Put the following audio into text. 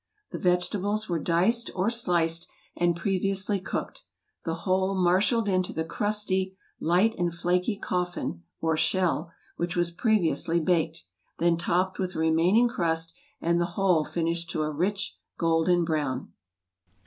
The vegetables were diced or sliced and previously cooked, the whole marshaled into the crusty, light and flaky coffin, or shell, which was previously baked, then topped with the remaining crust, and the whole finished to a rich golden brown.